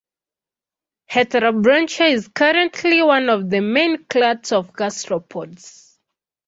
Heterobranchia is currently one of the main clades of gastropods.